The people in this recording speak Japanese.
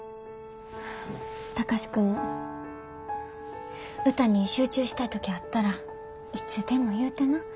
貴司君も歌に集中したい時あったらいつでも言うてな。